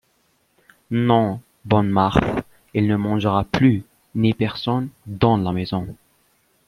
Non, bonne Marthe, il ne mangera plus, ni personne dans la maison !